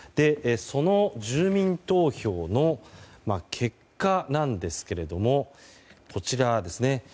その住民投票の結果なんですがこちらですね。